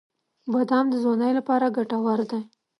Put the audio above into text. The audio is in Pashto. • بادام د ځوانۍ لپاره ګټور دی.